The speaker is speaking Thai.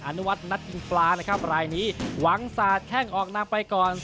อนุวัฒนนัดอินปลานะครับรายนี้หวังสาดแข้งออกนำไปก่อน